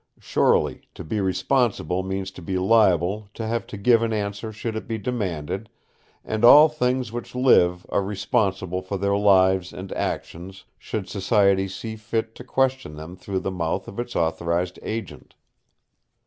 Surely to be responsible means to be liable to have to give an answer should it be demanded, and all things which live are responsible for their lives and actions should society see fit to question them through the mouth of its authorised agent.